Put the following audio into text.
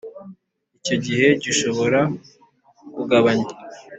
icyo gihe gishobora kugabanywa